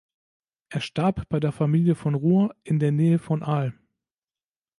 Er starb bei der Familie von Roure in der Nähe von Arles.